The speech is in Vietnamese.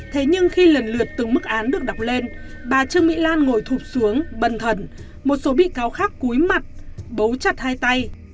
thế nhưng khi lần lượt từng mức án được đọc lên bà trương mỹ lan ngồi thụp xuống bần thần một số bị cáo khác cúi mặt bấu chặt hai tay